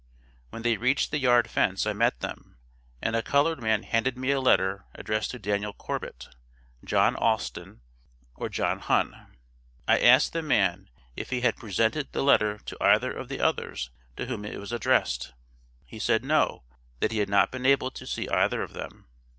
When they reached the yard fence I met them, and a colored man handed me a letter addressed to Daniel Corbit, John Alston or John Hunn; I asked the man if he had presented the letter to either of the others to whom it was addressed; he said, no, that he had not been able to see either of them.